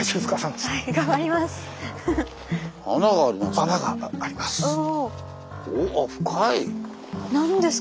穴があります。